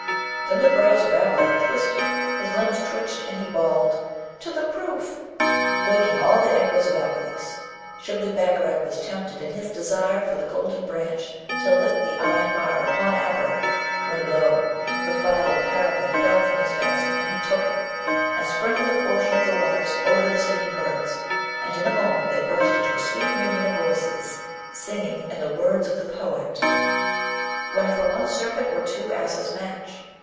Then the brows of Abarak twisted; his limbs twitched, and he bawled, 'To the proof!' waking all the echoes of Aklis. Shibli Bagarag was tempted in his desire for the golden branch to lift the iron bar upon Abarak, when lo! the phial of Paravid fell from his vest, and he took it, and sprinkled a portion of the waters over the singing birds, and in a moment they burst into a sweet union of voices, singing, in the words of the poet: When for one serpent were two asses match?